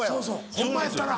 ホンマやったら。